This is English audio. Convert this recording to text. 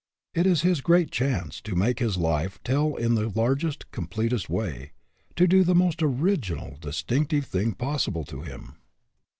It is his great chance to make his life tell in the largest, completest way ; to do the most origi nal, distinctive thing possible to him.